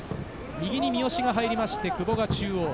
右に三好が入って久保が中央。